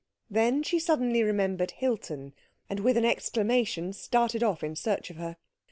Then she suddenly remembered Hilton, and with an exclamation started off in search of her.